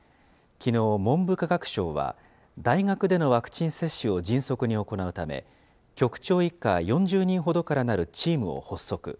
きのう、文部科学省は大学でのワクチン接種を迅速に行うため、局長以下４０人ほどからなるチームを発足。